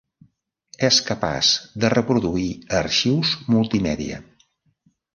És capaç de reproduir arxius multimèdia.